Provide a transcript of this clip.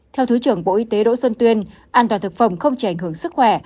theo thứ trưởng bộ y tế đỗ xuân tuyên an toàn thực phẩm không chỉ ảnh hưởng sức khỏe